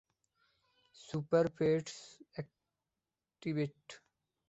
Super-Pets, activate!